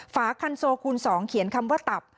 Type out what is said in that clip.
ฝาคันโซคูณ๒เขียนคำว่าตับ